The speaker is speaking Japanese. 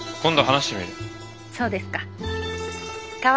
そうですか。